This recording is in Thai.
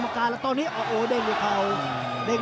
หรือว่าผู้สุดท้ายมีสิงคลอยวิทยาหมูสะพานใหม่